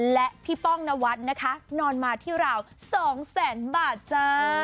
และพี่ป้องนวัดนะคะนอนมาที่ราว๒แสนบาทจ้า